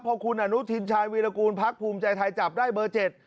พอคุณอนุทินชายวีรกูลพักภูมิใจไทยจับได้เบอร์เจ็ด